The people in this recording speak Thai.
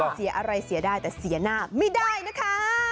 เสียอะไรเสียได้แต่เสียหน้าไม่ได้นะคะ